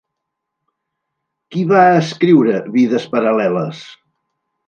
Qui va escriure Vides paral·leles?